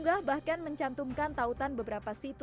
tidak tahu pemerintah mana menetapkan product yang diberikan oleh sana